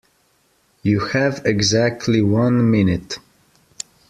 You have exactly one minute.